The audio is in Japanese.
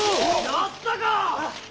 やったか！